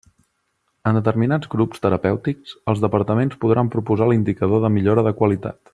En determinats grups terapèutics, els departaments podran proposar l'indicador de millora de qualitat.